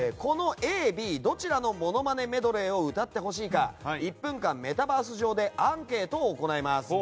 Ａ、Ｂどちらのモノマネメドレーを歌ってほしいか１分間、メタバース上でアンケートを行います。